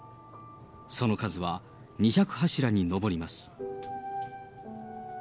その数は２００柱に上ります。